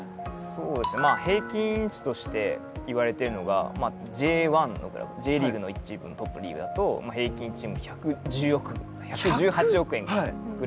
そうですね平均値として言われてるのがＪ１Ｊリーグの１チームのトップリーグだと平均チーム１１８億円ぐらい。